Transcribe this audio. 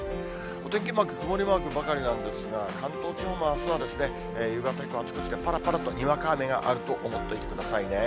お天気マーク、曇りマークばかりなんですが、関東地方もあすは夕方以降、あちこちでぱらぱらとにわか雨があると思っておいてくださいね。